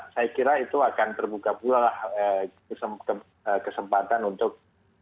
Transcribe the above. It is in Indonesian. saya kira itu akan terbuka pula lah kesempatan untuk